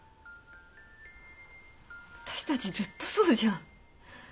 私たちずっとそうじゃん。